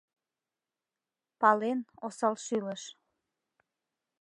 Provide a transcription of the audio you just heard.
Пален, осалшӱлыш!